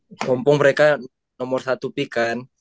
walaupun mereka nomor satu pick kan